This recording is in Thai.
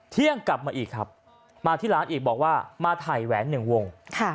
เที่ยงกลับมาอีกครับมาที่ร้านอีกบอกว่ามาถ่ายแหวนหนึ่งวง